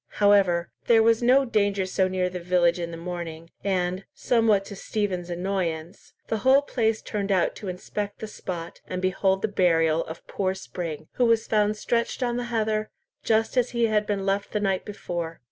However there was no danger so near the village in the morning, and, somewhat to Stephen's annoyance, the whole place turned out to inspect the spot, and behold the burial of poor Spring, who was found stretched on the heather, just as he had been left the night before.